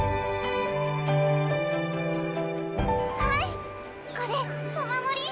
はいこれお守り。